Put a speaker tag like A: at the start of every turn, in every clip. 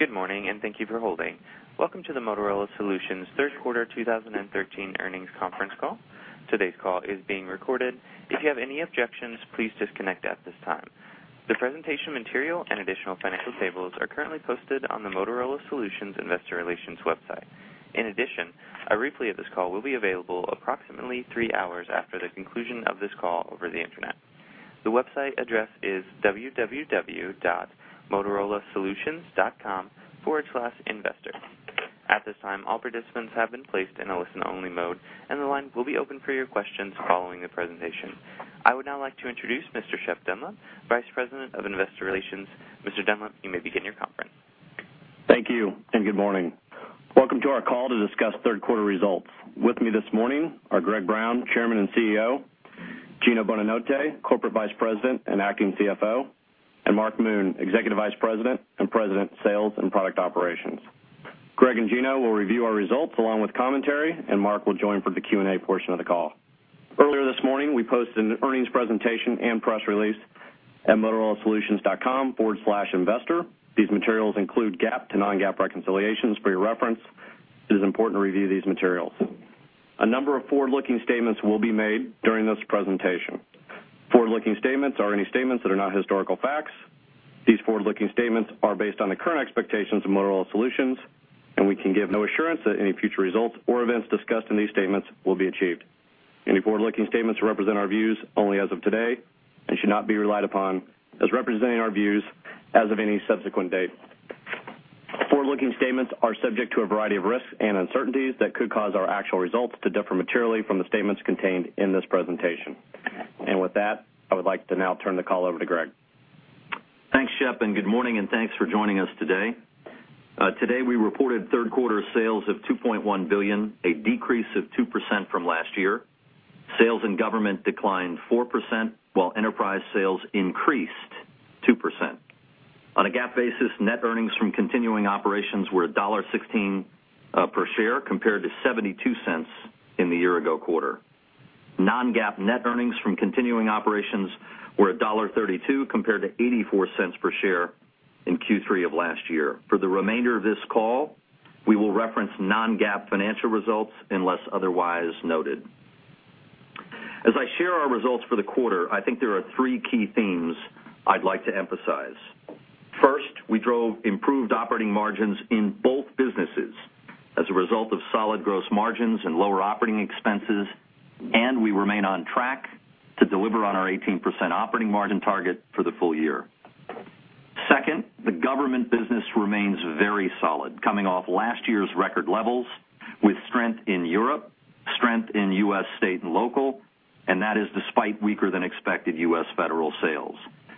A: Good morning, and thank you for holding. Welcome to the Motorola Solutions third quarter 2013 earnings conference call. Today's call is being recorded. If you have any objections, please disconnect at this time. The presentation material and additional financial tables are currently posted on the Motorola Solutions investor relations website. In addition, a replay of this call will be available approximately three hours after the conclusion of this call over the Internet. The website address is www.motorolasolutions.com/investor. At this time, all participants have been placed in a listen-only mode, and the line will be open for your questions following the presentation. I would now like to introduce Mr. Shep Dunlap, Vice President of Investor Relations. Mr. Dunlap, you may begin your conference.
B: Thank you, and good morning. Welcome to our call to discuss third quarter results. With me this morning are Greg Brown, Chairman and CEO; Gino Bonanotte, Corporate Vice President and Acting CFO; and Mark Moon, Executive Vice President and President, Sales and Product Operations. Greg and Gino will review our results along with commentary, and Mark will join for the Q&A portion of the call. Earlier this morning, we posted an earnings presentation and press release at motorolasolutions.com/investor. These materials include GAAP to non-GAAP reconciliations for your reference. It is important to review these materials. A number of forward-looking statements will be made during this presentation. Forward-looking statements are any statements that are not historical facts. These forward-looking statements are based on the current expectations of Motorola Solutions, and we can give no assurance that any future results or events discussed in these statements will be achieved. Any forward-looking statements represent our views only as of today and should not be relied upon as representing our views as of any subsequent date. Forward-looking statements are subject to a variety of risks and uncertainties that could cause our actual results to differ materially from the statements contained in this presentation. With that, I would like to now turn the call over to Greg.
C: Thanks, Shep, and good morning, and thanks for joining us today. Today, we reported third quarter sales of $2.1 billion, a decrease of 2% from last year. Sales in government declined 4%, while enterprise sales increased 2%. On a GAAP basis, net earnings from continuing operations were $1.16 per share, compared to $0.72 in the year-ago quarter. Non-GAAP net earnings from continuing operations were $1.32, compared to $0.84 per share in Q3 of last year. For the remainder of this call, we will reference non-GAAP financial results unless otherwise noted. As I share our results for the quarter, I think there are three key themes I'd like to emphasize. First, we drove improved operating margins in both businesses as a result of solid gross margins and lower operating expenses, and we remain on track to deliver on our 18% operating margin target for the full year. Second, the government business remains very solid, coming off last year's record levels with strength in Europe, strength in U.S. state and local, and that is despite weaker than expected U.S. federal sales.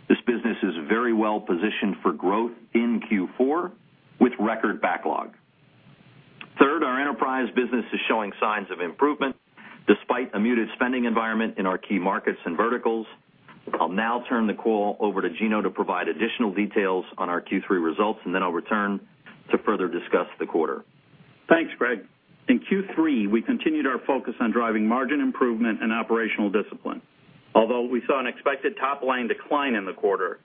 C: This business is very well positioned for growth in Q4 with record backlog. Third, our enterprise business is showing signs of improvement, despite a muted spending environment in our key markets and verticals. I'll now turn the call over to Gino to provide additional details on our Q3 results, and then I'll return to further discuss the quarter.
D: Thanks, Greg. In Q3, we continued our focus on driving margin improvement and operational discipline. Although we saw an expected top-line decline in the quarter,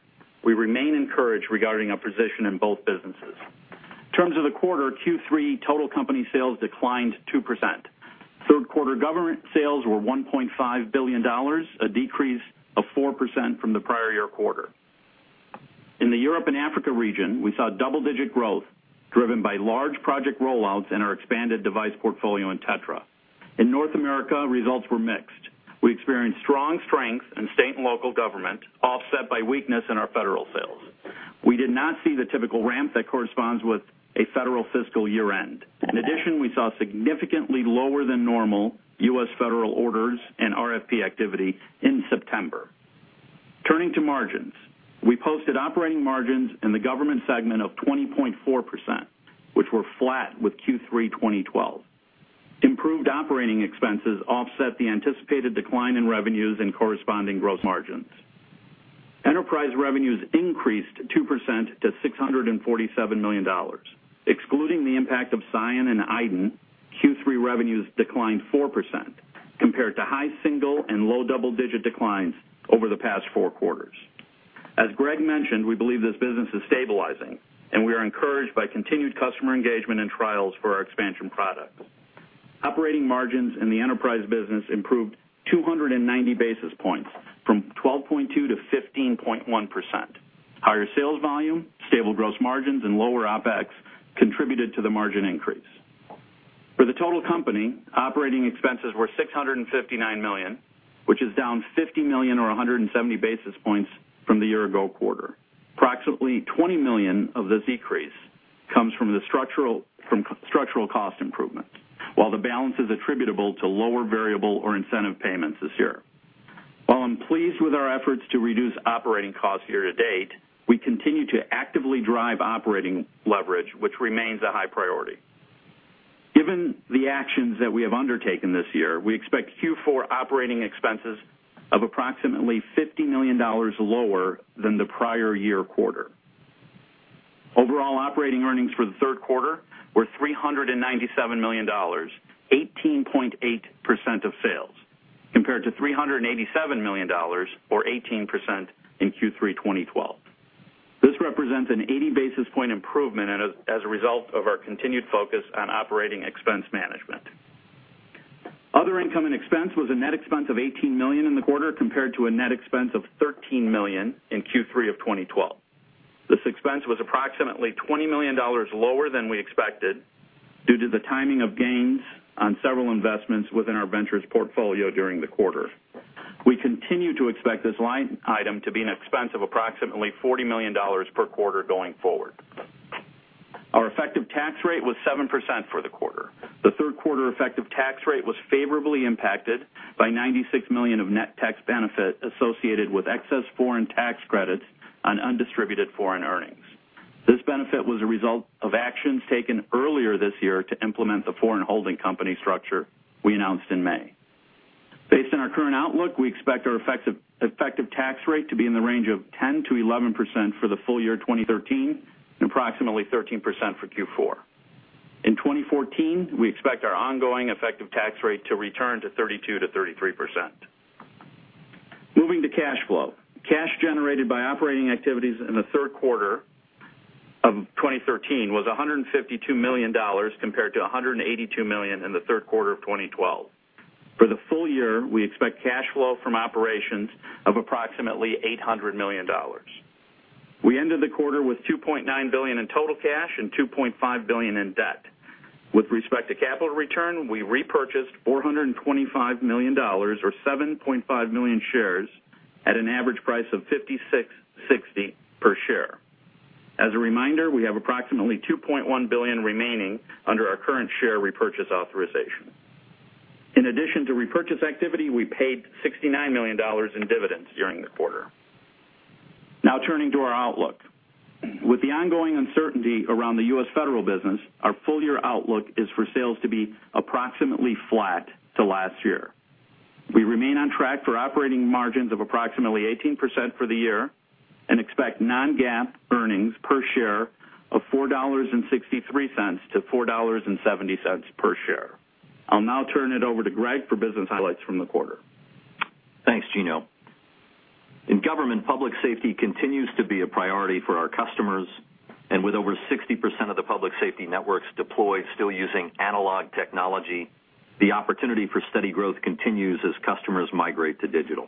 D: we remain encouraged regarding our position in both businesses. In terms of the quarter, Q3, total company sales declined 2%. Third quarter government sales were $1.5 billion, a decrease of 4% from the prior year quarter. In the Europe and Africa region, we saw double-digit growth, driven by large project rollouts and our expanded device portfolio in TETRA. In North America, results were mixed. We experienced strong strength in state and local government, offset by weakness in our federal sales. We did not see the typical ramp that corresponds with a federal fiscal year-end. In addition, we saw significantly lower than normal U.S. federal orders and RFP activity in September. Turning to margins, we posted operating margins in the government segment of 20.4%, which were flat with Q3 2012. Improved operating expenses offset the anticipated decline in revenues and corresponding gross margins. Enterprise revenues increased 2% to $647 million. Excluding the impact of Psion and iDEN, Q3 revenues declined 4% compared to high single-digit and low double-digit declines over the past four quarters. As Greg mentioned, we believe this business is stabilizing, and we are encouraged by continued customer engagement and trials for our expansion product. Operating margins in the enterprise business improved 290 basis points from 12.2%-15.1%. Higher sales volume, stable gross margins, and lower OpEx contributed to the margin increase. For the total company, operating expenses were $659 million, which is down $50 million or 170 basis points from the year-ago quarter. Approximately $20 million of this decrease comes from structural cost improvements, while the balance is attributable to lower variable or incentive payments this year. While I'm pleased with our efforts to reduce operating costs year to date, we continue to actively drive operating leverage, which remains a high priority. Given the actions that we have undertaken this year, we expect Q4 operating expenses of approximately $50 million lower than the prior year quarter. Overall operating earnings for the third quarter were $397 million, 18.8% of sales, compared to $387 million, or 18% in Q3 2012. This represents an 80 basis point improvement and as a result of our continued focus on operating expense management. Other income and expense was a net expense of $18 million in the quarter, compared to a net expense of $13 million in Q3 of 2012. This expense was approximately $20 million lower than we expected, due to the timing of gains on several investments within our ventures portfolio during the quarter. We continue to expect this line item to be an expense of approximately $40 million per quarter going forward. Our effective tax rate was 7% for the quarter. The third quarter effective tax rate was favorably impacted by $96 million of net tax benefit associated with excess foreign tax credits on undistributed foreign earnings. This benefit was a result of actions taken earlier this year to implement the foreign holding company structure we announced in May. Based on our current outlook, we expect our effective, effective tax rate to be in the range of 10%-11% for the full year 2013, and approximately 13% for Q4. In 2014, we expect our ongoing effective tax rate to return to 32%-33%. Moving to cash flow. Cash generated by operating activities in the third quarter of 2013 was $152 million, compared to $182 million in the third quarter of 2012. For the full year, we expect cash flow from operations of approximately $800 million. We ended the quarter with $2.9 billion in total cash and $2.5 billion in debt. With respect to capital return, we repurchased $425 million or 7.5 million shares at an average price of $56.60 per share. As a reminder, we have approximately $2.1 billion remaining under our current share repurchase authorization. In addition to repurchase activity, we paid $69 million in dividends during the quarter. Now, turning to our outlook. With the ongoing uncertainty around the U.S. federal business, our full year outlook is for sales to be approximately flat to last year. We remain on track for operating margins of approximately 18% for the year and expect non-GAAP earnings per share of $4.63-$4.70 per share. I'll now turn it over to Greg for business highlights from the quarter.
C: Thanks, Gino. In government, public safety continues to be a priority for our customers, and with over 60% of the public safety networks deployed still using analog technology, the opportunity for steady growth continues as customers migrate to digital.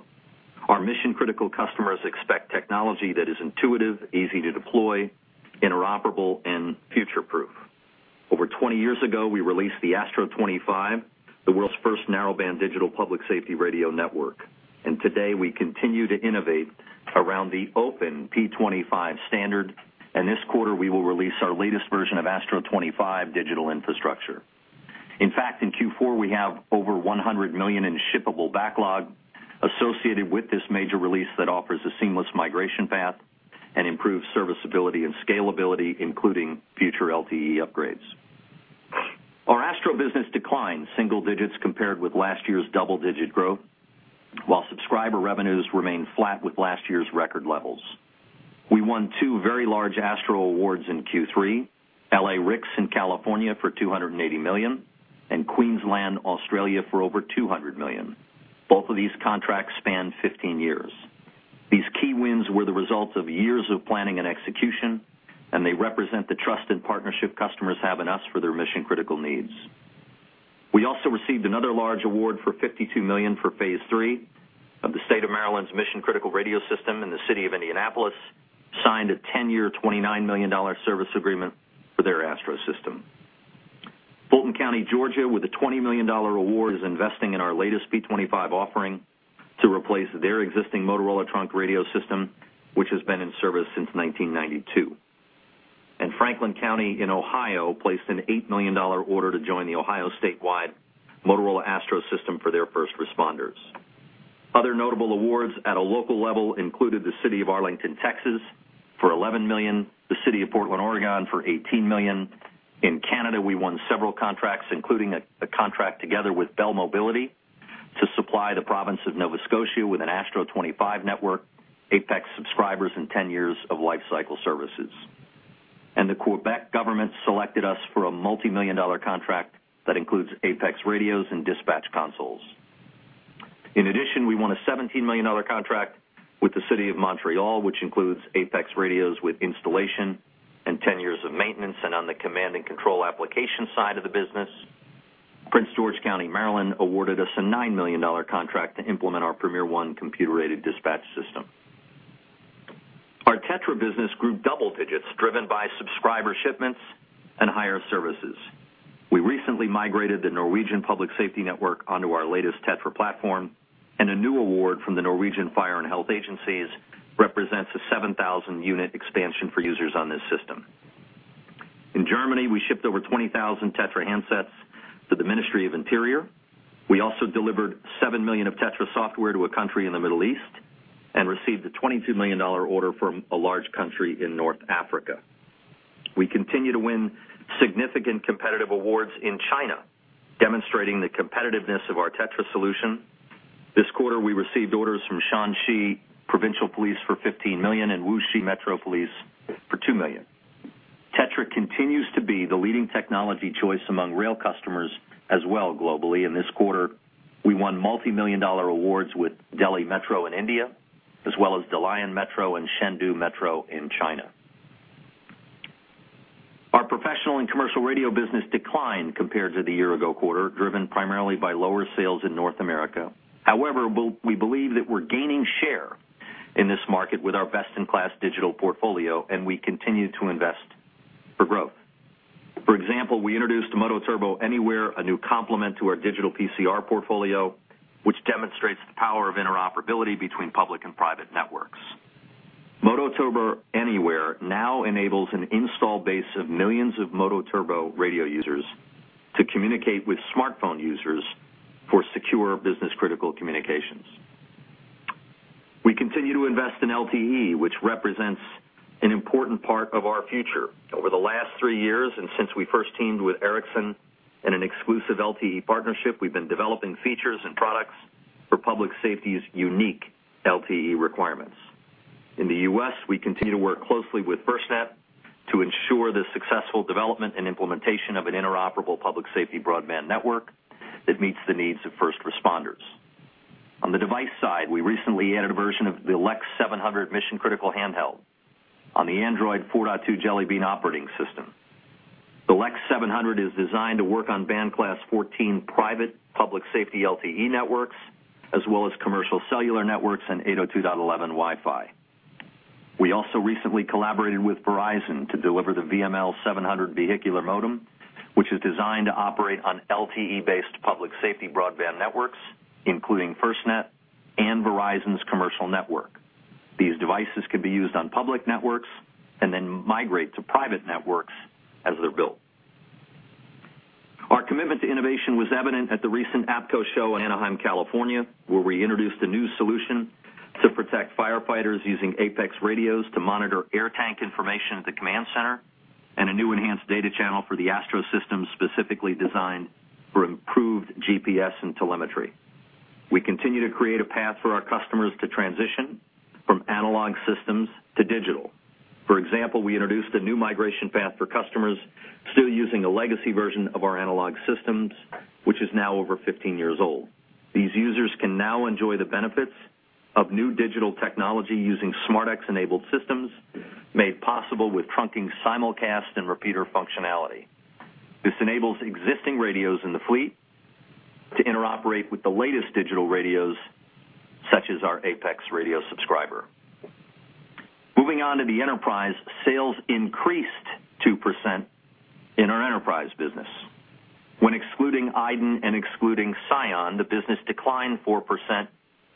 C: Our mission-critical customers expect technology that is intuitive, easy to deploy, interoperable and future-proof. Over 20 years ago, we released the ASTRO 25, the world's first narrowband digital public safety radio network, and today we continue to innovate around the open P25 standard, and this quarter, we will release our latest version of ASTRO 25 digital infrastructure. In fact, in Q4, we have over $100 million in shippable backlog associated with this major release that offers a seamless migration path and improved serviceability and scalability, including future LTE upgrades. Our Astro business declined single digits compared with last year's double-digit growth, while subscriber revenues remained flat with last year's record levels. We won two very large Astro awards in Q3, LA-RICS in California for $280 million and Queensland, Australia, for over $200 million. Both of these contracts span 15 years. These key wins were the result of years of planning and execution, and they represent the trust and partnership customers have in us for their mission-critical needs. We also received another large award for $52 million for phase III of the State of Maryland's mission-critical radio system, and the City of Indianapolis signed a 10-year, $29 million service agreement for their Astro system. Fulton County, Georgia, with a $20 million award, is investing in our latest P25 offering to replace their existing Motorola trunk radio system, which has been in service since 1992. Franklin County in Ohio placed an $8 million order to join the Ohio statewide Motorola ASTRO system for their first responders. Other notable awards at a local level included the City of Arlington, Texas, for $11 million, the City of Portland, Oregon, for $18 million. In Canada, we won several contracts, including a contract together with Bell Mobility to supply the province of Nova Scotia with an ASTRO 25 network, APX subscribers, and 10 years of lifecycle services. The Quebec government selected us for a multimillion-dollar contract that includes APX radios and dispatch consoles. In addition, we won a $17 million contract with the City of Montreal, which includes APX radios with installation and 10 years of maintenance. On the command and control application side of the business, Prince George's County, Maryland, awarded us a $9 million contract to implement our PremierOne computer-aided dispatch system. Our TETRA business grew double digits, driven by subscriber shipments and higher services. We recently migrated the Norwegian Public Safety Network onto our latest TETRA platform, and a new award from the Norwegian Fire and Health Agencies represents a 7,000-unit expansion for users on this system. In Germany, we shipped over 20,000 TETRA handsets to the Ministry of Interior. We also delivered $7 million of TETRA software to a country in the Middle East and received a $22 million order from a large country in North Africa. We continue to win significant competitive awards in China, demonstrating the competitiveness of our TETRA solution. This quarter, we received orders from Shaanxi Provincial Police for $15 million and Wuxi Metro Police for $2 million.... continues to be the leading technology choice among rail customers as well globally. In this quarter, we won multimillion-dollar awards with Delhi Metro in India, as well as Dalian Metro and Chengdu Metro in China. Our professional and commercial radio business declined compared to the year-ago quarter, driven primarily by lower sales in North America. However, we, we believe that we're gaining share in this market with our best-in-class digital portfolio, and we continue to invest for growth. For example, we introduced MOTOTRBO Anywhere, a new complement to our digital PCR portfolio, which demonstrates the power of interoperability between public and private networks. MOTOTRBO Anywhere now enables an install base of millions of MOTOTRBO radio users to communicate with smartphone users for secure business-critical communications. We continue to invest in LTE, which represents an important part of our future. Over the last 3 years, and since we first teamed with Ericsson in an exclusive LTE partnership, we've been developing features and products for public safety's unique LTE requirements. In the U.S., we continue to work closely with FirstNet to ensure the successful development and implementation of an interoperable public safety broadband network that meets the needs of first responders. On the device side, we recently added a version of the LEX 700 Mission Critical handheld on the Android 4.2 Jelly Bean operating system. The LEX 700 is designed to work on Band Class 14 private public safety LTE networks, as well as commercial cellular networks and 802.11 Wi-Fi. We also recently collaborated with Verizon to deliver the VML 700 vehicular modem, which is designed to operate on LTE-based public safety broadband networks, including FirstNet and Verizon's commercial network. These devices can be used on public networks and then migrate to private networks as they're built. Our commitment to innovation was evident at the recent APCO show in Anaheim, California, where we introduced a new solution to protect firefighters using APX radios to monitor air tank information at the command center, and a new enhanced data channel for the Astro system, specifically designed for improved GPS and telemetry. We continue to create a path for our customers to transition from analog systems to digital. For example, we introduced a new migration path for customers still using a legacy version of our analog systems, which is now over 15 years old. These users can now enjoy the benefits of new digital technology using SmartX-enabled systems, made possible with trunking simulcast and repeater functionality. This enables existing radios in the fleet to interoperate with the latest digital radios, such as our APX radio subscriber. Moving on to the enterprise, sales increased 2% in our enterprise business. When excluding iDEN and excluding Psion, the business declined 4%,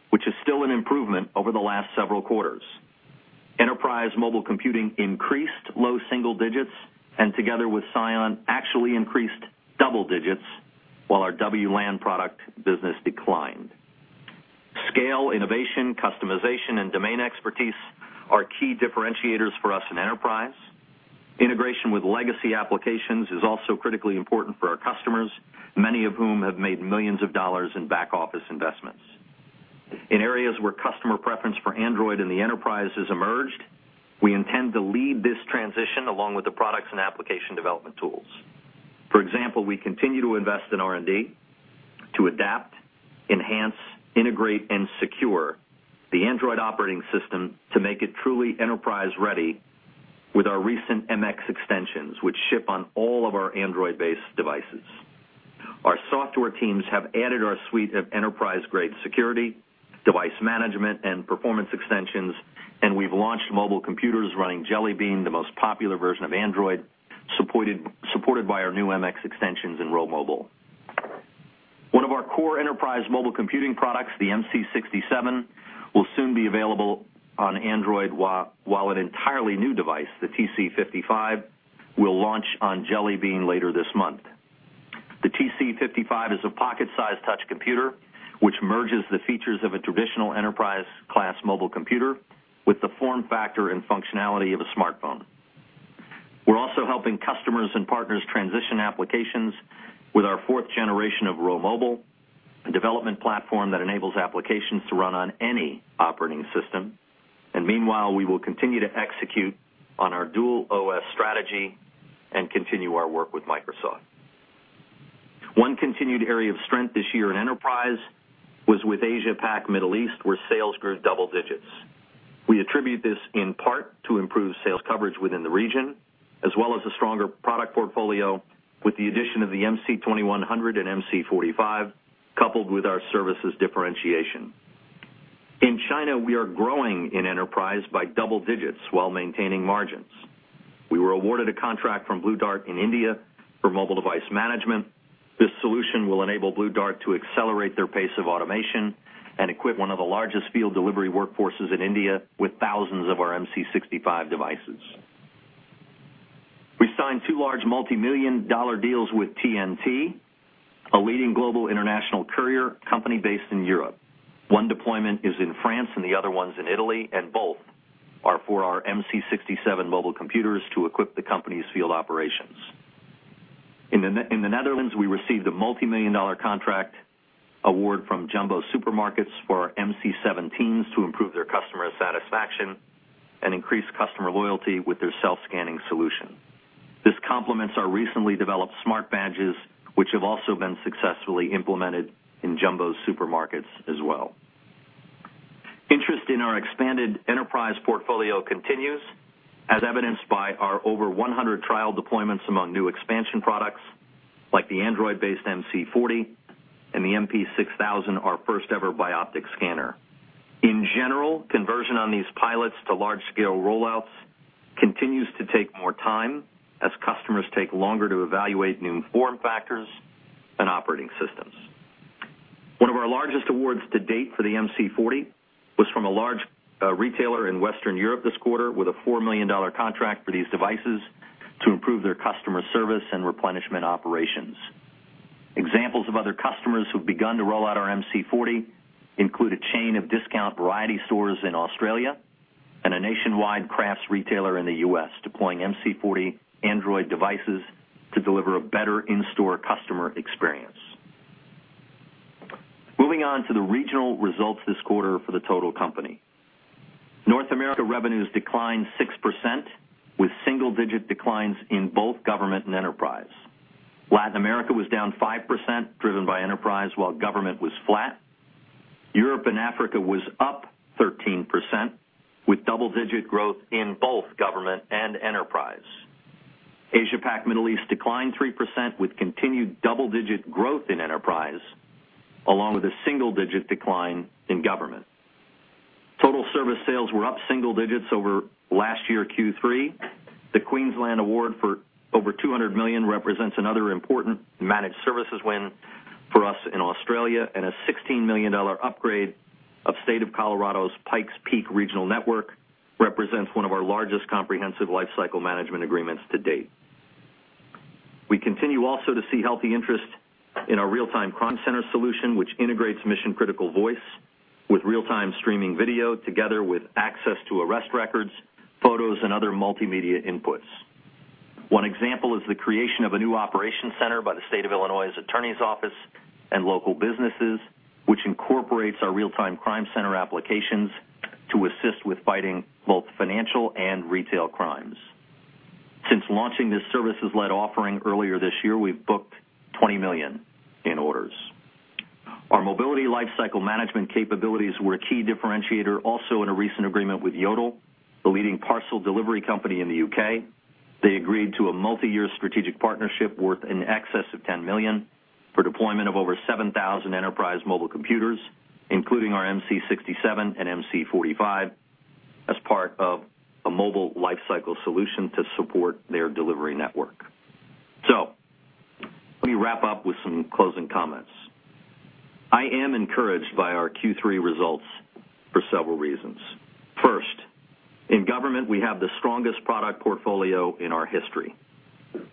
C: which is still an improvement over the last several quarters. Enterprise mobile computing increased low single digits, and together with Psion, actually increased double digits, while our WLAN product business declined. Scale, innovation, customization, and domain expertise are key differentiators for us in enterprise. Integration with legacy applications is also critically important for our customers, many of whom have made millions of dollars in back-office investments. In areas where customer preference for Android in the enterprise has emerged, we intend to lead this transition along with the products and application development tools. For example, we continue to invest in R&D to adapt, enhance, integrate, and secure the Android operating system to make it truly enterprise-ready with our recent MX extensions, which ship on all of our Android-based devices. Our software teams have added our suite of enterprise-grade security, device management, and performance extensions, and we've launched mobile computers running Jelly Bean, the most popular version of Android, supported by our new MX extensions in RhoMobile. One of our core enterprise mobile computing products, the MC67, will soon be available on Android, while an entirely new device, the TC55, will launch on Jelly Bean later this month. The TC55 is a pocket-sized touch computer, which merges the features of a traditional enterprise-class mobile computer with the form factor and functionality of a smartphone. We're also helping customers and partners transition applications with our fourth generation of RhoMobile, a development platform that enables applications to run on any operating system. And meanwhile, we will continue to execute on our dual OS strategy and continue our work with Microsoft. One continued area of strength this year in enterprise was with Asia Pac Middle East, where sales grew double digits. We attribute this in part to improved sales coverage within the region, as well as a stronger product portfolio, with the addition of the MC2100 and MC45, coupled with our services differentiation. In China, we are growing in enterprise by double digits while maintaining margins. We were awarded a contract from Blue Dart in India for mobile device management. This solution will enable Blue Dart to accelerate their pace of automation and equip one of the largest field delivery workforces in India with thousands of our MC65 devices. We signed two large multimillion-dollar deals with TNT, a leading global international courier company based in Europe. One deployment is in France and the other one's in Italy, and both are for our MC67 mobile computers to equip the company's field operations. In the Netherlands, we received a multimillion-dollar contract award from Jumbo Supermarkets for our MC17s to improve their customer satisfaction and increase customer loyalty with their self-scanning solution. This complements our recently developed smart badges, which have also been successfully implemented in Jumbo's supermarkets as well. Interest in our expanded enterprise portfolio continues, as evidenced by our over 100 trial deployments among new expansion products like the Android-based MC40 and the MP6000, our first-ever Bioptic Scanner. In general, conversion on these pilots to large-scale rollouts continues to take more time as customers take longer to evaluate new form factors and operating systems. One of our largest awards to date for the MC40 was from a large retailer in Western Europe this quarter, with a $4 million contract for these devices to improve their customer service and replenishment operations. Examples of other customers who've begun to roll out our MC40 include a chain of discount variety stores in Australia and a nationwide crafts retailer in the U.S., deploying MC40 Android devices to deliver a better in-store customer experience. Moving on to the regional results this quarter for the total company. North America revenues declined 6%, with single-digit declines in both government and enterprise. Latin America was down 5%, driven by enterprise, while government was flat. Europe and Africa was up 13%, with double-digit growth in both government and enterprise. Asia Pac Middle East declined 3%, with continued double-digit growth in enterprise, along with a single-digit decline in government. Total service sales were up single digits over last year, Q3. The Queensland award for over $200 million represents another important managed services win for us in Australia, and a $16 million upgrade of State of Colorado's Pikes Peak regional network represents one of our largest comprehensive lifecycle management agreements to date. We continue also to see healthy interest in our Real-Time Crime Center solution, which integrates mission-critical voice with real-time streaming video, together with access to arrest records, photos, and other multimedia inputs. One example is the creation of a new operations center by the State of Illinois's Attorney's Office and local businesses, which incorporates our Real-Time Crime Center applications to assist with fighting both financial and retail crimes. Since launching this services-led offering earlier this year, we've booked $20 million in orders. Our mobility lifecycle management capabilities were a key differentiator also in a recent agreement with Yodel, the leading parcel delivery company in the U.K. They agreed to a multiyear strategic partnership worth in excess of $10 million, for deployment of over 7,000 enterprise mobile computers, including our MC67 and MC45, as part of a mobile lifecycle solution to support their delivery network. So let me wrap up with some closing comments. I am encouraged by our Q3 results for several reasons. First, in government, we have the strongest product portfolio in our history,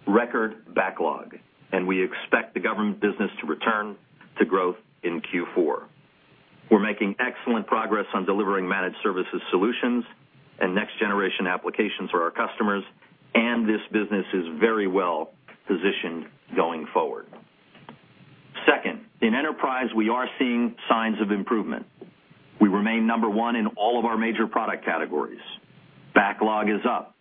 C: record backlog, and we expect the government business to return to growth in Q4. We're making excellent progress on delivering managed services solutions and next-generation applications for our customers, and this business is very well positioned going forward. Second, in enterprise, we are seeing signs of improvement. We remain number one in all of our major product categories. Backlog is up,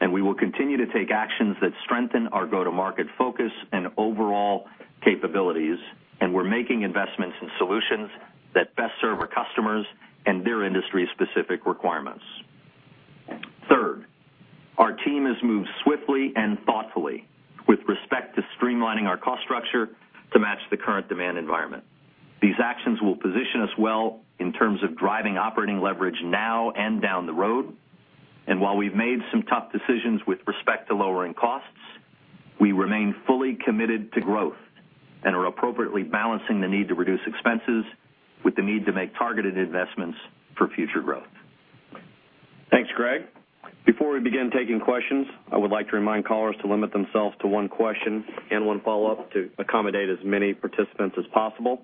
C: and we will continue to take actions that strengthen our go-to-market focus and overall capabilities, and we're making investments in solutions that best serve our customers and their industry-specific requirements. Third, our team has moved swiftly and thoughtfully with respect to streamlining our cost structure to match the current demand environment. These actions will position us well in terms of driving operating leverage now and down the road. While we've made some tough decisions with respect to lowering costs, we remain fully committed to growth and are appropriately balancing the need to reduce expenses with the need to make targeted investments for future growth.
B: Thanks, Greg. Before we begin taking questions, I would like to remind callers to limit themselves to one question and one follow-up to accommodate as many participants as possible.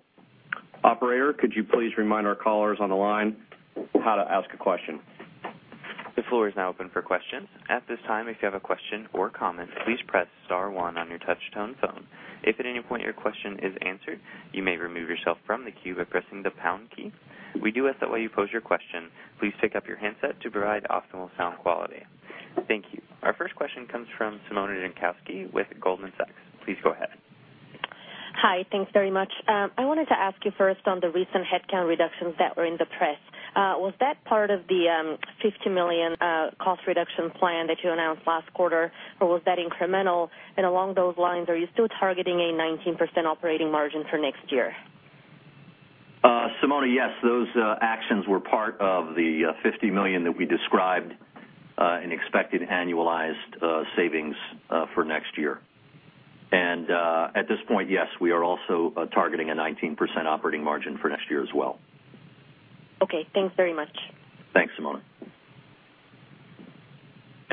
B: Operator, could you please remind our callers on the line how to ask a question?
A: The floor is now open for questions. At this time, if you have a question or comment, please press star one on your touch-tone phone. If at any point your question is answered, you may remove yourself from the queue by pressing the pound key. We do ask that while you pose your question, please pick up your handset to provide optimal sound quality. Thank you. Our first question comes from Simona Jankowski with Goldman Sachs. Please go ahead.
E: Hi. Thanks very much. I wanted to ask you first on the recent headcount reductions that were in the press, was that part of the $50 million cost reduction plan that you announced last quarter, or was that incremental? And along those lines, are you still targeting a 19% operating margin for next year?
C: Simona, yes, those actions were part of the $50 million that we described in expected annualized savings for next year. At this point, yes, we are also targeting a 19% operating margin for next year as well.
E: Okay, thanks very much.
C: Thanks, Simona.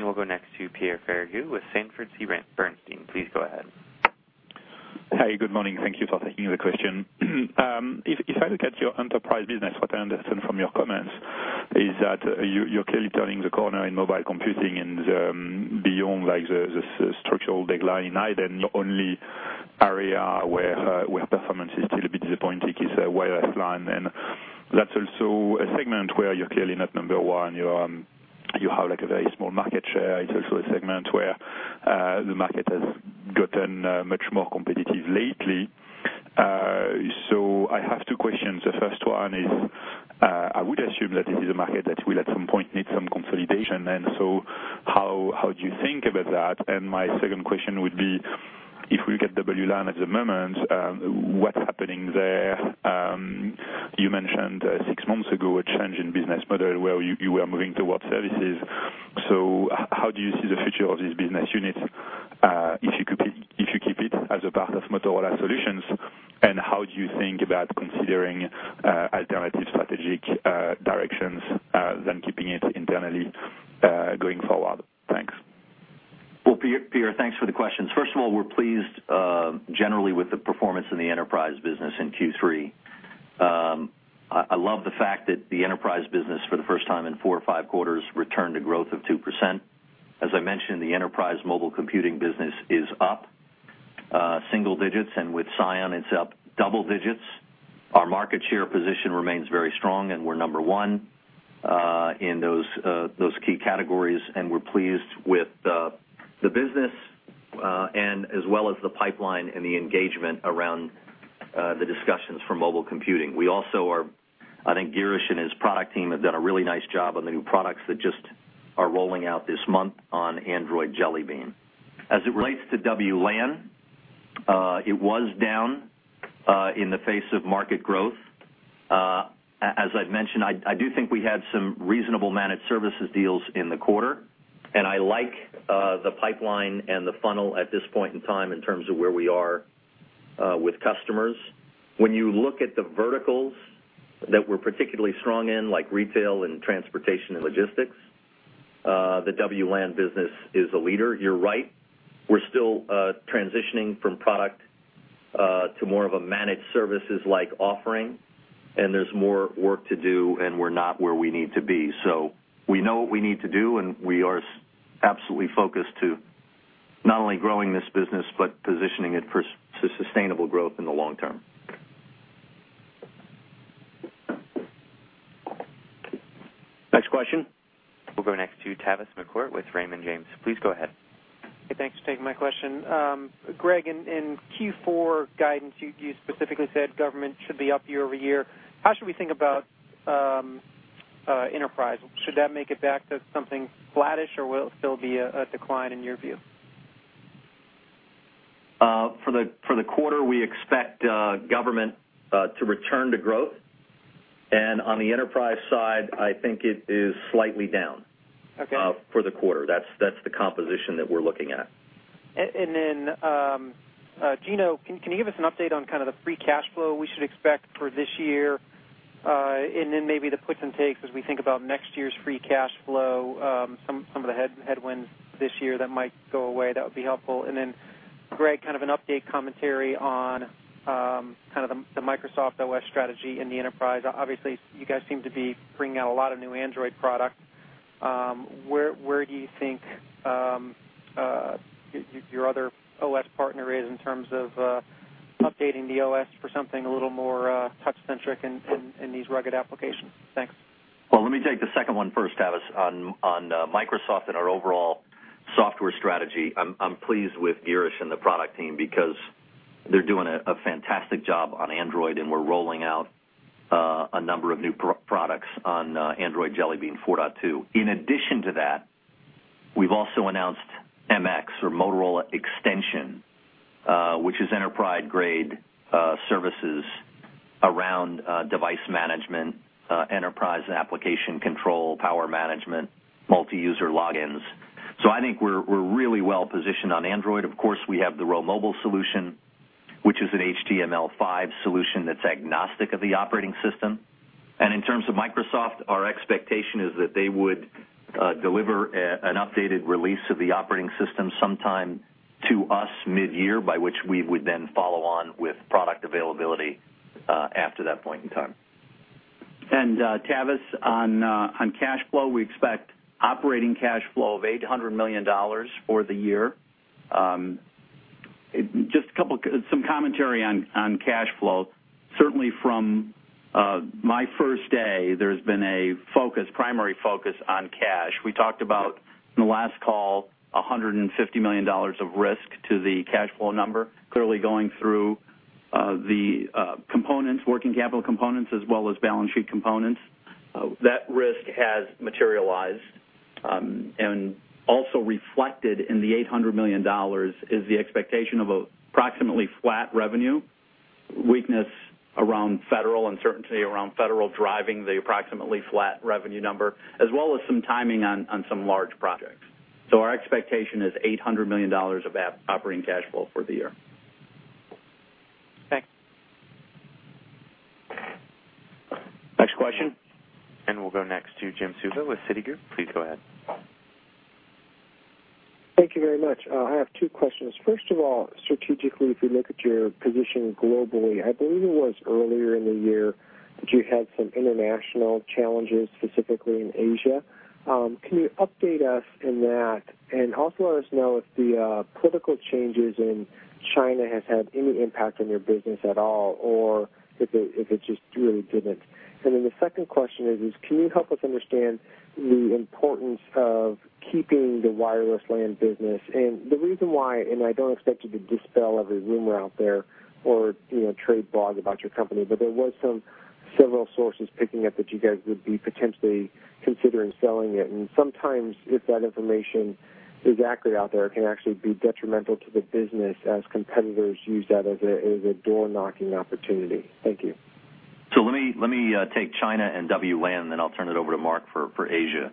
A: We'll go next to Pierre Ferragu with Sanford C. Bernstein. Please go ahead....
F: Hey, good morning. Thank you for taking the question. If I look at your enterprise business, what I understand from your comments is that you, you're clearly turning the corner in mobile computing and, beyond, like, the structural decline in iDEN, the only area where performance is still a bit disappointing is wireless LAN. And that's also a segment where you're clearly not number one. You have, like, a very small market share. It's also a segment where the market has gotten much more competitive lately. So I have two questions. The first one is, I would assume that this is a market that will, at some point, need some consolidation. And so how do you think about that? And my second question would be, if we look at WLAN at the moment, what's happening there? You mentioned six months ago, a change in business model where you, you were moving towards services. So how do you see the future of this business unit, if you keep it as a part of Motorola Solutions, and how do you think about considering alternative strategic directions than keeping it internally going forward? Thanks.
C: Well, Pierre, thanks for the questions. First of all, we're pleased generally with the performance in the enterprise business in Q3. I love the fact that the enterprise business, for the first time in four or five quarters, returned to growth of 2%. As I mentioned, the enterprise mobile computing business is up single digits, and with Psion, it's up double digits. Our market share position remains very strong, and we're number one in those key categories. And we're pleased with the business and as well as the pipeline and the engagement around the discussions for mobile computing. We also are. I think Girish and his product team have done a really nice job on the new products that just are rolling out this month on Android Jelly Bean. As it relates to WLAN, it was down in the face of market growth. As I've mentioned, I do think we had some reasonable managed services deals in the quarter, and I like the pipeline and the funnel at this point in time in terms of where we are with customers. When you look at the verticals that we're particularly strong in, like retail and transportation and logistics, the WLAN business is a leader. You're right, we're still transitioning from product to more of a managed services-like offering, and there's more work to do, and we're not where we need to be. So we know what we need to do, and we are absolutely focused to not only growing this business, but positioning it for sustainable growth in the long term. Next question?
A: We'll go next to Tavis McCourt with Raymond James. Please go ahead.
G: Hey, thanks for taking my question. Greg, in Q4 guidance, you specifically said government should be up year-over-year. How should we think about enterprise? Should that make it back to something flattish, or will it still be a decline in your view?
C: For the quarter, we expect government to return to growth, and on the enterprise side, I think it is slightly down-
G: Okay.
C: for the quarter. That's, that's the composition that we're looking at.
G: And then, Gino, can you give us an update on kind of the free cash flow we should expect for this year, and then maybe the puts and takes as we think about next year's free cash flow, some of the headwinds this year that might go away? That would be helpful. And then, Greg, kind of an update commentary on the Microsoft OS strategy in the enterprise. Obviously, you guys seem to be bringing out a lot of new Android products. Where do you think your other OS partner is in terms of updating the OS for something a little more touch-centric in these rugged applications? Thanks.
C: Well, let me take the second one first, Tavis. On Microsoft and our overall software strategy, I'm pleased with Girish and the product team because they're doing a fantastic job on Android, and we're rolling out a number of new products on Android Jelly Bean 4.2. In addition to that, we've also announced MX or Motorola Extension, which is enterprise-grade services around device management, enterprise application control, power management, multi-user logins. So I think we're really well positioned on Android. Of course, we have the RhoMobile solution, which is an HTML5 solution that's agnostic of the operating system. In terms of Microsoft, our expectation is that they would deliver an updated release of the operating system sometime to us mid-year, by which we would then follow on with product availability after that point in time. Tavis, on cash flow, we expect operating cash flow of $800 million for the year. Some commentary on cash flow. Certainly from my first day, there's been a focus, primary focus on cash. We talked about, in the last call, $150 million of risk to the cash flow number, clearly going through the components, working capital components, as well as balance sheet components. That risk has materialized, and also reflected in the $800 million is the expectation of approximately flat revenue, weakness around federal, uncertainty around federal driving the approximately flat revenue number, as well as some timing on, on some large projects. So our expectation is $800 million of operating cash flow for the year.
G: Thanks....
A: to Jim Suva with Citigroup. Please go ahead.
H: Thank you very much. I have two questions. First of all, strategically, if you look at your position globally, I believe it was earlier in the year that you had some international challenges, specifically in Asia. Can you update us on that? And also let us know if the political changes in China has had any impact on your business at all, or if it just really didn't. And then the second question is can you help us understand the importance of keeping the wireless LAN business? And the reason why, and I don't expect you to dispel every rumor out there or, you know, trade blog about your company, but there was some, several sources picking up that you guys would be potentially considering selling it. Sometimes if that information is accurate out there, it can actually be detrimental to the business as competitors use that as a, as a door-knocking opportunity. Thank you.
C: So let me take China and WLAN, then I'll turn it over to Mark for Asia.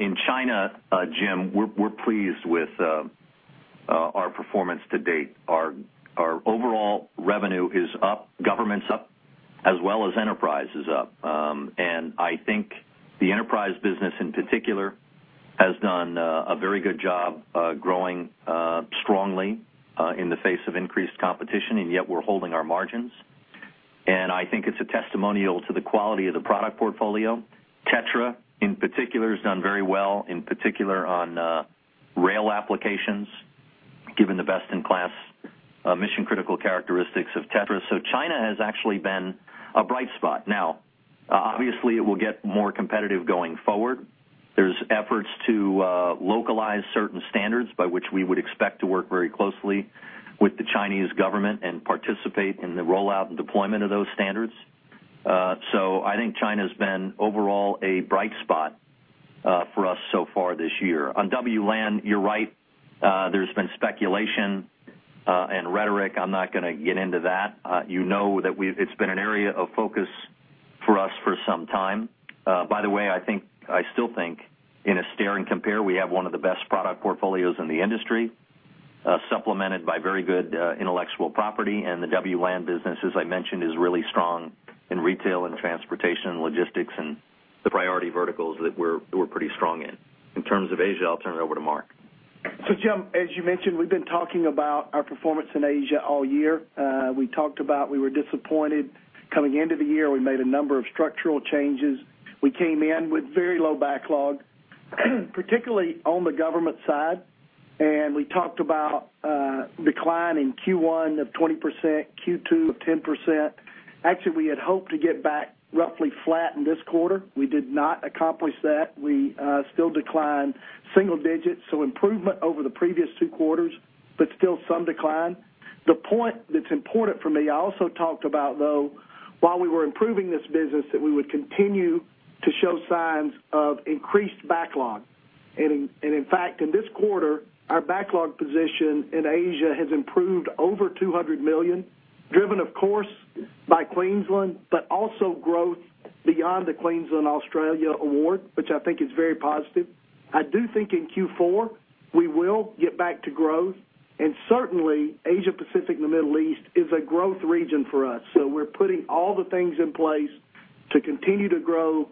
C: In China, Jim, we're pleased with our performance to date. Our overall revenue is up, government's up, as well as enterprise is up. And I think the enterprise business, in particular, has done a very good job growing strongly in the face of increased competition, and yet we're holding our margins. And I think it's a testimonial to the quality of the product portfolio. TETRA, in particular, has done very well, in particular on rail applications, given the best-in-class mission-critical characteristics of TETRA. So China has actually been a bright spot. Now, obviously, it will get more competitive going forward. There's efforts to localize certain standards by which we would expect to work very closely with the Chinese government and participate in the rollout and deployment of those standards. So I think China's been, overall, a bright spot for us so far this year. On WLAN, you're right, there's been speculation and rhetoric. I'm not going to get into that. You know that we've—it's been an area of focus for us for some time. By the way, I still think in a stare and compare, we have one of the best product portfolios in the industry, supplemented by very good intellectual property. And the WLAN business, as I mentioned, is really strong in retail and transportation and logistics and the priority verticals that we're pretty strong in. In terms of Asia, I'll turn it over to Mark.
I: So Jim, as you mentioned, we've been talking about our performance in Asia all year. We talked about we were disappointed. Coming into the year, we made a number of structural changes. We came in with very low backlog, particularly on the government side, and we talked about a decline in Q1 of 20%, Q2 of 10%. Actually, we had hoped to get back roughly flat in this quarter. We did not accomplish that. We still declined single digits, so improvement over the previous two quarters, but still some decline. The point that's important for me, I also talked about, though, while we were improving this business, that we would continue to show signs of increased backlog. In fact, in this quarter, our backlog position in Asia has improved over $200 million, driven, of course, by Queensland, but also growth beyond the Queensland, Australia award, which I think is very positive. I do think in Q4, we will get back to growth, and certainly Asia Pacific and the Middle East is a growth region for us. So we're putting all the things in place to continue to grow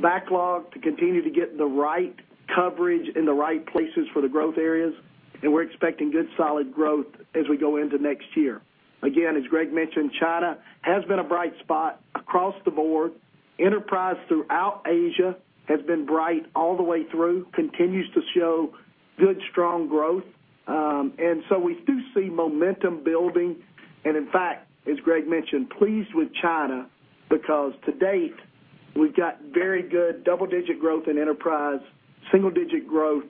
I: backlog, to continue to get the right coverage in the right places for the growth areas, and we're expecting good, solid growth as we go into next year. Again, as Greg mentioned, China has been a bright spot across the board. Enterprise throughout Asia has been bright all the way through, continues to show good, strong growth. And so we do see momentum building. In fact, as Greg mentioned, pleased with China because to date, we've got very good double-digit growth in enterprise, single-digit growth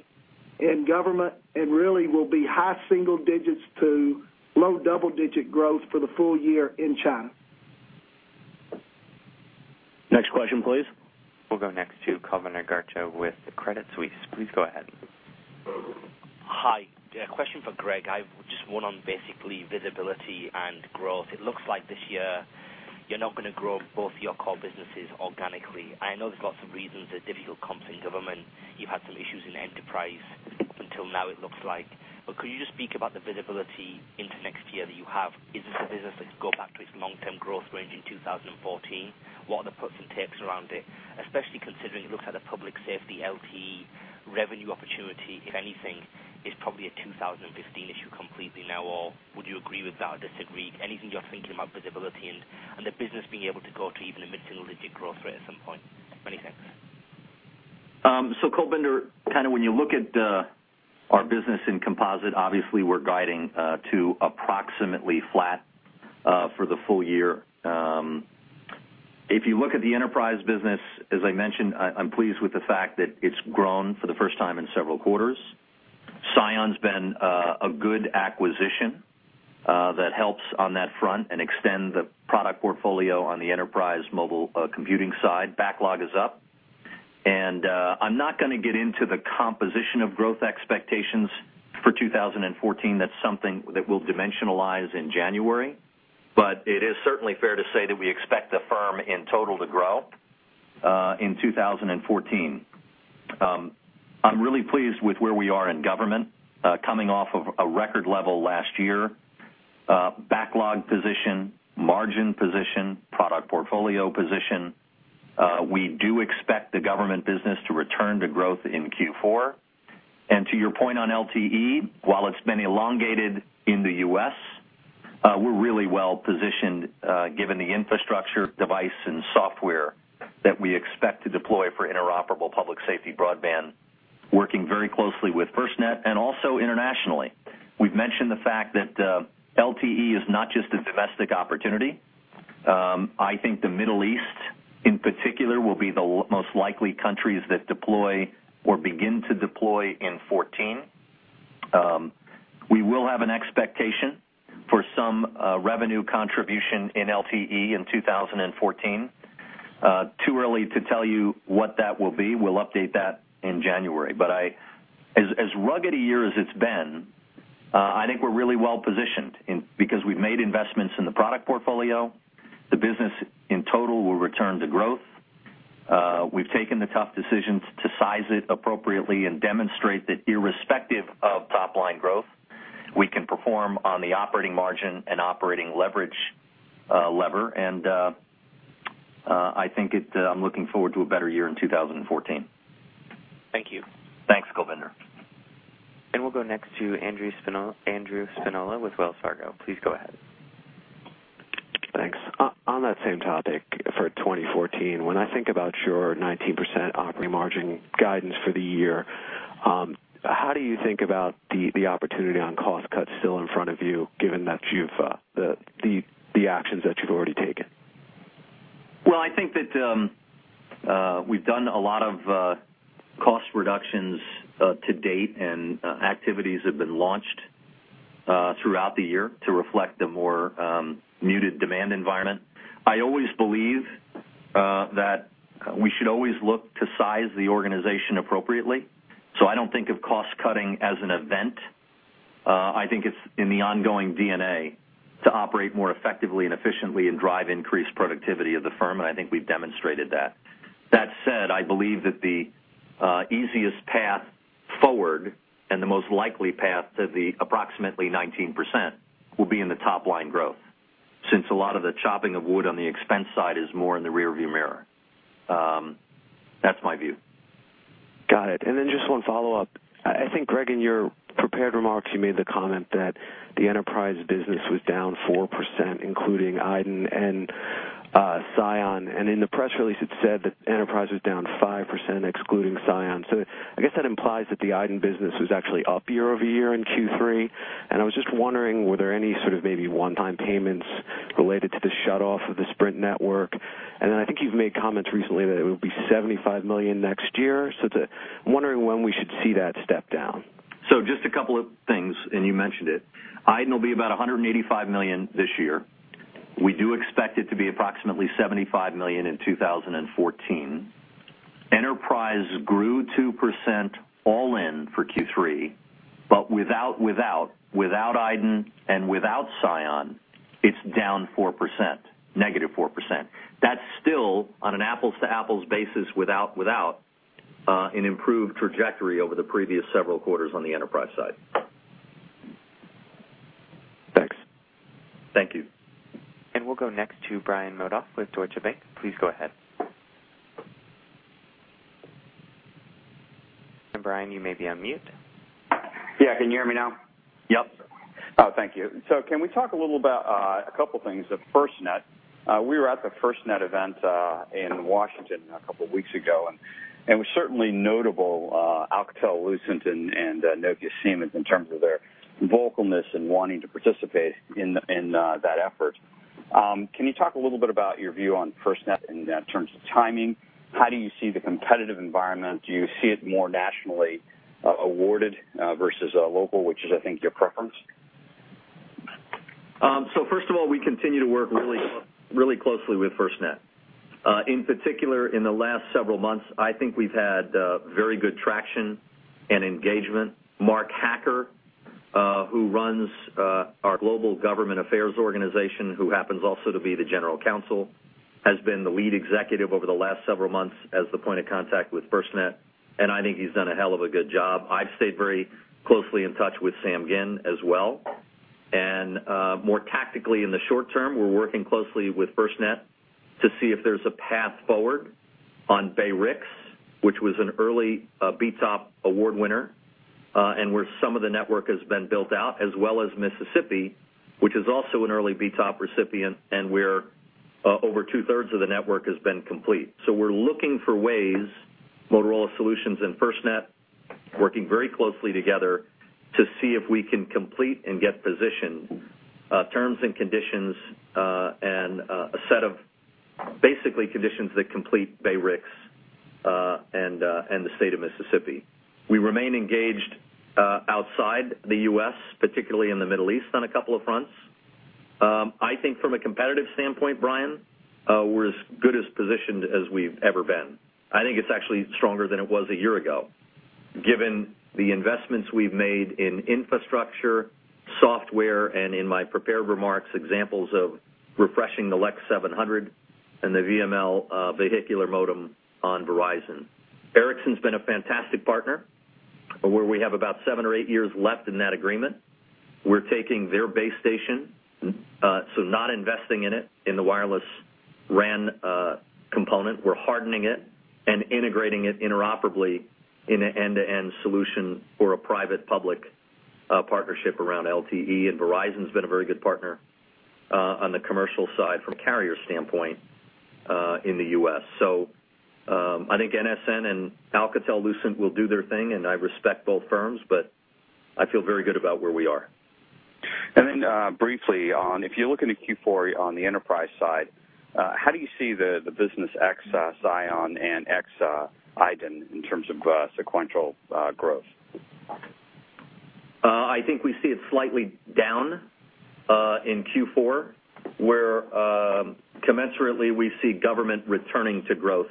I: in government, and really will be high single digits to low double-digit growth for the full year in China.
B: Next question, please.
A: We'll go next to Kulbinder Garcha with Credit Suisse. Please go ahead.
J: Hi. A question for Greg. I've just one on basically visibility and growth. It looks like this year you're not going to grow both your core businesses organically. I know there's lots of reasons, a difficult comp in government. You've had some issues in enterprise until now, it looks like. But could you just speak about the visibility into next year that you have? Is this a business that can go back to its long-term growth range in 2014? What are the puts and takes around it, especially considering it looks like the public safety LTE revenue opportunity, if anything, is probably a 2015 issue completely now, or would you agree with that or disagree? Anything you're thinking about visibility and, and the business being able to go to even a mid-single digit growth rate at some point, anything.
C: So Kulbinder, kind of when you look at our business in composite, obviously, we're guiding to approximately flat for the full year. If you look at the enterprise business, as I mentioned, I'm pleased with the fact that it's grown for the first time in several quarters. Psion's been a good acquisition that helps on that front and extend the product portfolio on the enterprise mobile computing side. Backlog is up, and I'm not going to get into the composition of growth expectations for 2014. That's something that we'll dimensionalize in January. But it is certainly fair to say that we expect the firm in total to grow in 2014. I'm really pleased with where we are in government coming off of a record level last year. Backlog position, margin position, product portfolio position. We do expect the government business to return to growth in Q4. And to your point on LTE, while it's been elongated in the U.S., we're really well positioned, given the infrastructure, device, and software that we expect to deploy for interoperable public safety broadband, working very closely with FirstNet and also internationally. We've mentioned the fact that, LTE is not just a domestic opportunity. I think the Middle East, in particular, will be the most likely countries that deploy or begin to deploy in 2014. We will have an expectation for some, revenue contribution in LTE in 2014. Too early to tell you what that will be. We'll update that in January. But as rugged a year as it's been, I think we're really well positioned because we've made investments in the product portfolio, the business in total will return to growth. We've taken the tough decisions to size it appropriately and demonstrate that irrespective of top-line growth, we can perform on the operating margin and operating leverage. I'm looking forward to a better year in 2014.
J: Thank you.
C: Thanks, Kulbinder.
A: We'll go next to Andrew Spinol- Andrew Spinola with Wells Fargo. Please go ahead.
K: Thanks. On that same topic for 2014, when I think about your 19% operating margin guidance for the year, how do you think about the opportunity on cost cuts still in front of you, given that you've the actions that you've already taken?
C: Well, I think that, we've done a lot of, cost reductions, to date, and, activities have been launched, throughout the year to reflect the more, muted demand environment. I always believe, that we should always look to size the organization appropriately, so I don't think of cost cutting as an event. I think it's in the ongoing DNA to operate more effectively and efficiently and drive increased productivity of the firm, and I think we've demonstrated that. That said, I believe that the, easiest path forward and the most likely path to the approximately 19% will be in the top line growth, since a lot of the chopping of wood on the expense side is more in the rearview mirror. That's my view.
K: Got it. Then just one follow-up. I think, Greg, in your prepared remarks, you made the comment that the enterprise business was down 4%, including iDEN and Psion. And in the press release, it said that enterprise was down 5%, excluding Psion. So I guess that implies that the iDEN business was actually up year-over-year in Q3. And I was just wondering, were there any sort of maybe one-time payments related to the shutoff of the Sprint network? And then I think you've made comments recently that it would be $75 million next year. So I'm wondering when we should see that step down.
C: So just a couple of things, and you mentioned it. iDEN will be about $185 million this year. We do expect it to be approximately $75 million in 2014. Enterprise grew 2% all in for Q3, but without iDEN and without Psion, it's down 4%, negative 4%. That's still, on an apples-to-apples basis, without an improved trajectory over the previous several quarters on the enterprise side.
K: Thanks.
C: Thank you.
A: We'll go next to Brian Modoff with Deutsche Bank. Please go ahead. Brian, you may be on mute.
L: Yeah. Can you hear me now?
C: Yep.
L: Oh, thank you. So can we talk a little about a couple things of FirstNet? We were at the FirstNet event in Washington a couple of weeks ago, and it was certainly notable, Alcatel-Lucent and Nokia Siemens in terms of their vocalness in wanting to participate in that effort. Can you talk a little bit about your view on FirstNet in terms of timing? How do you see the competitive environment? Do you see it more nationally awarded versus local, which is, I think, your preference?
D: So first of all, we continue to work really, really closely with FirstNet. In particular, in the last several months, I think we've had very good traction and engagement. Mark Hacker, who runs our global government affairs organization, who happens also to be the general counsel, has been the lead executive over the last several months as the point of contact with FirstNet, and I think he's done a hell of a good job. I've stayed very closely in touch with Sam Ginn as well. More tactically, in the short term, we're working closely with FirstNet to see if there's a path forward on BayRICS, which was an early BTOP award winner, and where some of the network has been built out, as well as Mississippi, which is also an early BTOP recipient, and where over two-thirds of the network has been complete. So we're looking for ways, Motorola Solutions and FirstNet, working very closely together to see if we can complete and get positioned, terms and conditions, and a set of basically conditions that complete BayRICS and the state of Mississippi. We remain engaged outside the U.S., particularly in the Middle East, on a couple of fronts. I think from a competitive standpoint, Brian, we're as good as positioned as we've ever been. I think it's actually stronger than it was a year ago, given the investments we've made in infrastructure, software, and in my prepared remarks, examples of refreshing the LEX 700 and the VML, vehicular modem on Verizon. Ericsson's been a fantastic partner, where we have about 7 or 8 years left in that agreement. We're taking their base station, so not investing in it, in the wireless RAN component. We're hardening it and integrating it interoperably in an end-to-end solution for a private-public partnership around LTE, and Verizon's been a very good partner on the commercial side from carrier standpoint in the U.S. So, I think NSN and Alcatel-Lucent will do their thing, and I respect both firms, but I feel very good about where we are.
L: Briefly, on if you look into Q4 on the enterprise side, how do you see the business ex-Psion and ex-iDEN in terms of sequential growth?
D: I think we see it slightly down in Q4, where commensurately we see government returning to growth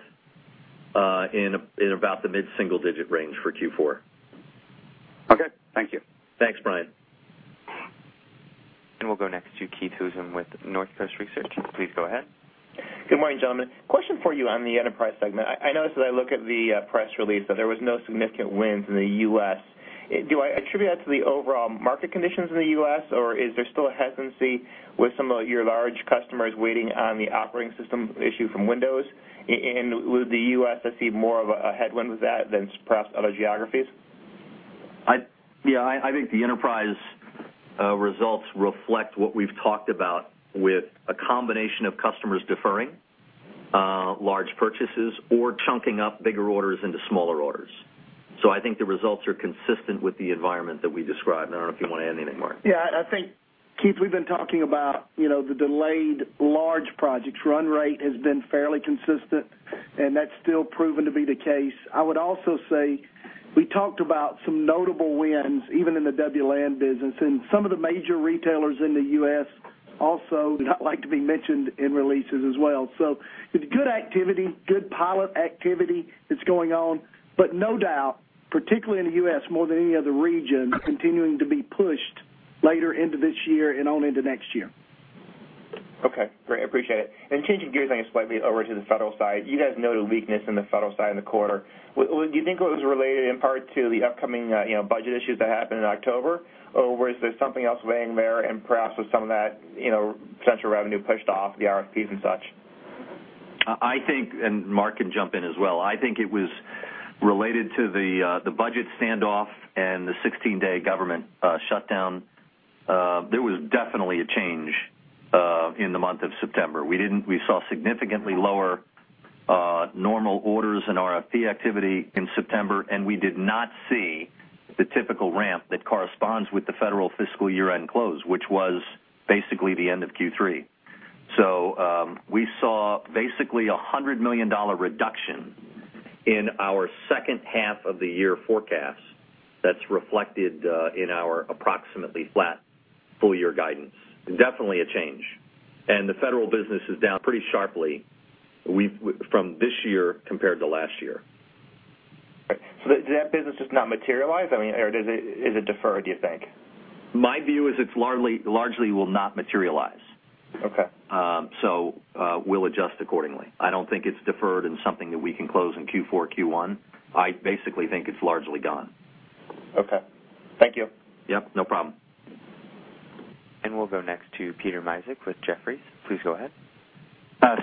D: in about the mid-single-digit range for Q4.
L: Okay. Thank you.
D: Thanks, Brian.
A: We'll go next to Keith Housum with North Coast Research. Please go ahead.
M: Good morning, gentlemen. Question for you on the enterprise segment. I noticed as I look at the press release that there was no significant wins in the U.S. Do I attribute that to the overall market conditions in the U.S., or is there still a hesitancy with some of your large customers waiting on the operating system issue from Windows? And would the U.S. see more of a headwind with that than perhaps other geographies?
C: Yeah, I think the enterprise results reflect what we've talked about with a combination of customers deferring large purchases or chunking up bigger orders into smaller orders. So I think the results are consistent with the environment that we described. I don't know if you want to add anything, Mark.
I: Yeah, I think, Keith, we've been talking about, you know, the delayed large projects. Run rate has been fairly consistent, and that's still proven to be the case. I would also say we talked about some notable wins, even in the WLAN business, and some of the major retailers in the U.S. also do not like to be mentioned in releases as well. So it's good activity, good pilot activity that's going on, but no doubt, particularly in the U.S. more than any other region, continuing to be pushed later into this year and on into next year.
M: Okay, great. I appreciate it. Changing gears slightly over to the federal side, you guys noted a weakness in the federal side in the quarter. What do you think it was related in part to the upcoming, you know, budget issues that happened in October? Or was there something else weighing there and perhaps with some of that, you know, potential revenue pushed off the RFPs and such?
C: I think, and Mark can jump in as well, I think it was related to the budget standoff and the 16-day government shutdown. There was definitely a change in the month of September. We saw significantly lower normal orders and RFP activity in September, and we did not see the typical ramp that corresponds with the federal fiscal year-end close, which was basically the end of Q3. We saw basically a $100 million reduction in our second half of the year forecast that's reflected in our approximately flat full year guidance. Definitely a change. The federal business is down pretty sharply. We've from this year compared to last year.
M: So that business does not materialize? I mean, or does it, is it deferred, do you think?
C: My view is it's largely largely will not materialize.
M: Okay.
C: So, we'll adjust accordingly. I don't think it's deferred in something that we can close in Q4, Q1. I basically think it's largely gone.
M: Okay. Thank you.
C: Yep, no problem.
A: We'll go next to Peter Misek with Jefferies. Please go ahead.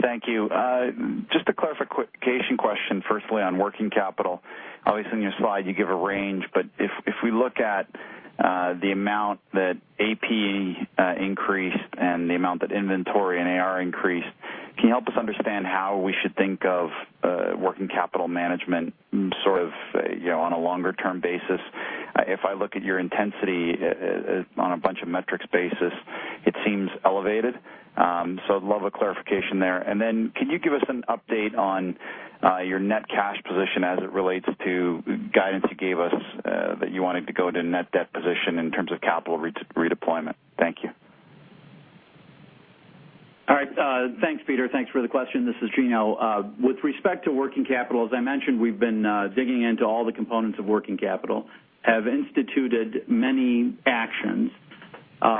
N: Thank you. Just a clarification question, firstly, on working capital. Always in your slide, you give a range, but if we look at the amount that AP increased and the amount that inventory and AR increased, can you help us understand how we should think of working capital management sort of, you know, on a longer-term basis? If I look at your intensity on a bunch of metrics basis, it seems elevated. So I'd love a clarification there. Then could you give us an update on your net cash position as it relates to guidance you gave us that you wanted to go to net debt position in terms of capital redeployment? Thank you.
D: All right, thanks, Peter. Thanks for the question. This is Gino. With respect to working capital, as I mentioned, we've been digging into all the components of working capital, have instituted many actions,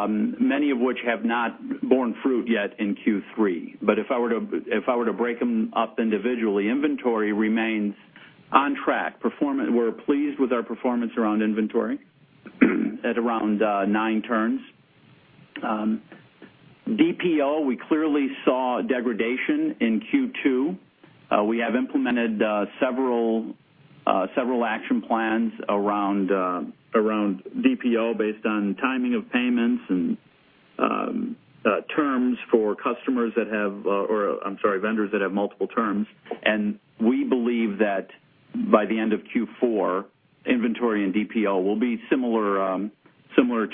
D: many of which have not borne fruit yet in Q3. But if I were to break them up individually, inventory remains on track. Performance, we're pleased with our performance around inventory, at around 9 turns. DPO, we clearly saw degradation in Q2. We have implemented several action plans around DPO based on timing of payments and terms for customers that have, or I'm sorry, vendors that have multiple terms. And we believe that by the end of Q4, inventory and DPO will be similar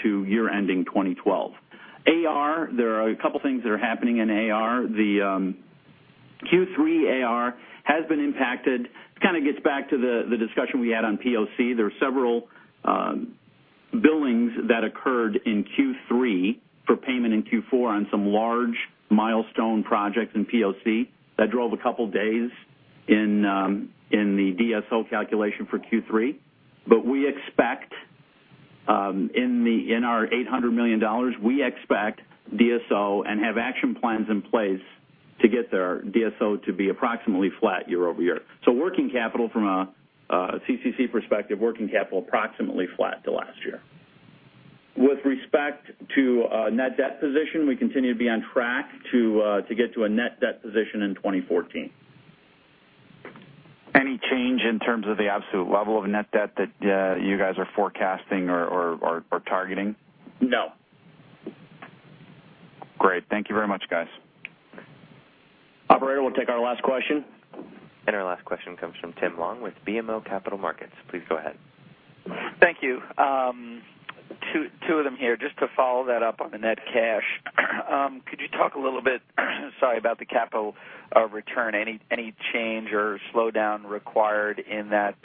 D: to year-ending 2012. AR, there are a couple things that are happening in AR. The Q3 AR has been impacted. It kind of gets back to the discussion we had on POC. There are several billings that occurred in Q3 for payment in Q4 on some large milestone projects in POC that drove a couple days in the DSO calculation for Q3. But we expect in our $800 million, we expect DSO and have action plans in place to get their DSO to be approximately flat year-over-year. So working capital from a CCC perspective, working capital approximately flat to last year. With respect to net debt position, we continue to be on track to get to a net debt position in 2014.
N: Any change in terms of the absolute level of net debt that you guys are forecasting or targeting?
D: No.
N: Great. Thank you very much, guys.
C: Operator, we'll take our last question.
A: Our last question comes from Tim Long with BMO Capital Markets. Please go ahead.
O: Thank you. Two of them here. Just to follow that up on the net cash, could you talk a little bit, sorry, about the capital return? Any change or slowdown required in that,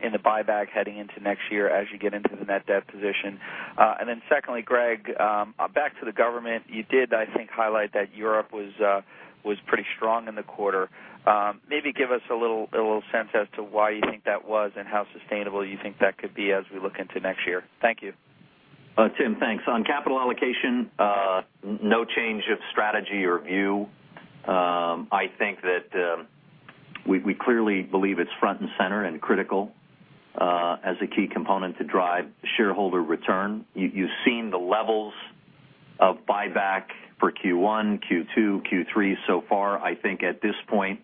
O: in the buyback heading into next year as you get into the net debt position? And then secondly, Greg, back to the government. You did, I think, highlight that Europe was pretty strong in the quarter. Maybe give us a little sense as to why you think that was and how sustainable you think that could be as we look into next year. Thank you.
C: Tim, thanks. On capital allocation, no change of strategy or view. I think that we clearly believe it's front and center and critical as a key component to drive shareholder return. You've seen the levels of buyback for Q1, Q2, Q3 so far. I think at this point,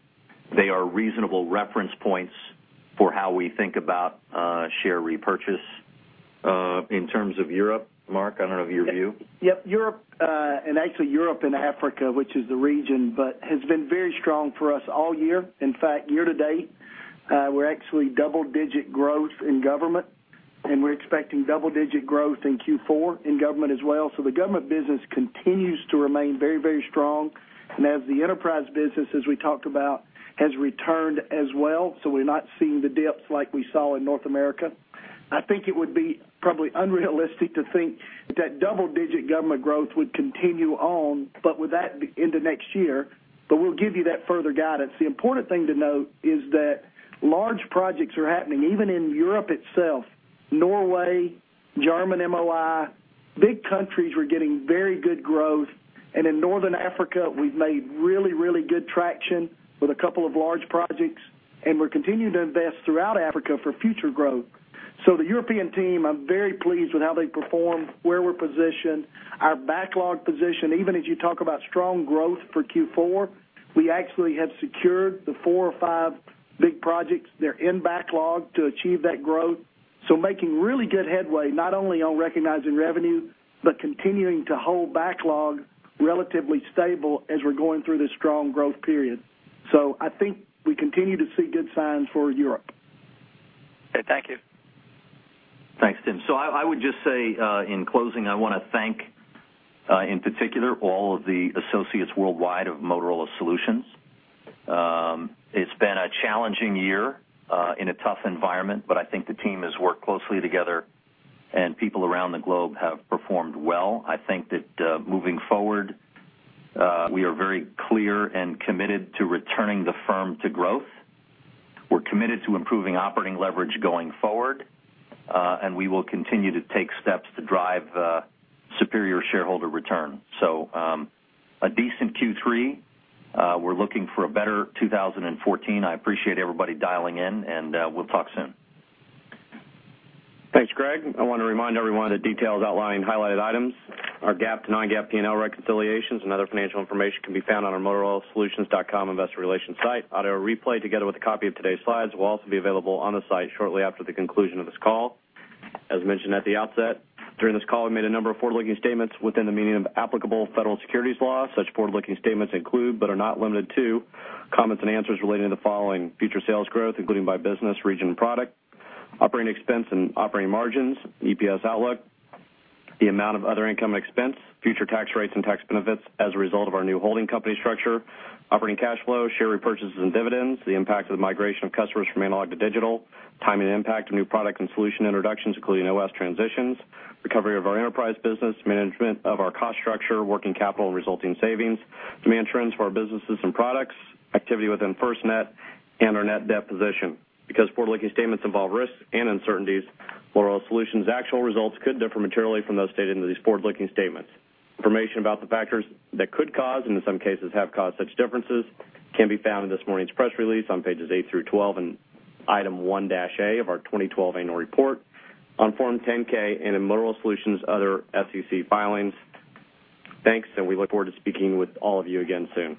C: they are reasonable reference points for how we think about share repurchase. In terms of Europe, Mark, I don't know of your view.
I: Yep, Europe, and actually Europe and Africa, which is the region, but has been very strong for us all year. In fact, year to date, we're actually double-digit growth in government, and we're expecting double-digit growth in Q4 in government as well. So the government business continues to remain very, very strong. And as the enterprise business, as we talked about, has returned as well, so we're not seeing the dips like we saw in North America. I think it would be probably unrealistic to think that double-digit government growth would continue on, but with that into next year, but we'll give you that further guidance. The important thing to note is that large projects are happening, even in Europe itself, Norway, German MOI, big countries were getting very good growth. In North Africa, we've made really, really good traction with a couple of large projects, and we're continuing to invest throughout Africa for future growth. The European team, I'm very pleased with how they performed, where we're positioned, our backlog position, even as you talk about strong growth for Q4, we actually have secured the 4 or 5 big projects. They're in backlog to achieve that growth. Making really good headway, not only on recognizing revenue, but continuing to hold backlog relatively stable as we're going through this strong growth period. I think we continue to see good signs for Europe.
O: Okay, thank you.
C: Thanks, Tim. So I would just say in closing, I want to thank in particular all of the associates worldwide of Motorola Solutions. It's been a challenging year in a tough environment, but I think the team has worked closely together, and people around the globe have performed well. I think that moving forward, we are very clear and committed to returning the firm to growth. We're committed to improving operating leverage going forward, and we will continue to take steps to drive superior shareholder return. So, a decent Q3. We're looking for a better 2014. I appreciate everybody dialing in, and we'll talk soon.
B: Thanks, Greg. I want to remind everyone that details outlining highlighted items, our GAAP to non-GAAP P&L reconciliations and other financial information can be found on our motorolasolutions.com investor relations site. Audio replay, together with a copy of today's slides, will also be available on the site shortly after the conclusion of this call. As mentioned at the outset, during this call, we made a number of forward-looking statements within the meaning of applicable federal securities law. Such forward-looking statements include, but are not limited to, comments and answers relating to the following: future sales growth, including by business, region, product, operating expense, and operating margins, EPS outlook, the amount of other income expense, future tax rates and tax benefits as a result of our new holding company structure, operating cash flow, share repurchases and dividends, the impact of the migration of customers from analog to digital, timing and impact of new product and solution introductions, including OS transitions, recovery of our enterprise business, management of our cost structure, working capital, and resulting savings, demand trends for our businesses and products, activity within FirstNet, and our net debt position. Because forward-looking statements involve risks and uncertainties, Motorola Solutions' actual results could differ materially from those stated in these forward-looking statements. Information about the factors that could cause, and in some cases have caused such differences can be found in this morning's press release on pages 8 through 12 and Item 1A of our 2012 annual report on Form 10-K and in Motorola Solutions' other SEC filings. Thanks, and we look forward to speaking with all of you again soon.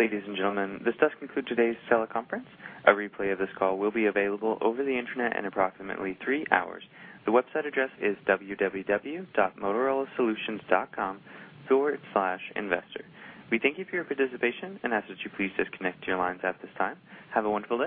A: Ladies and gentlemen, this does conclude today's teleconference. A replay of this call will be available over the Internet in approximately three hours. The website address is www.motorolasolutions.com/investor. We thank you for your participation and ask that you please disconnect your lines at this time. Have a wonderful day.